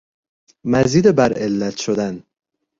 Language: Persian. مزید بر علت شدن